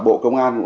bộ công an đã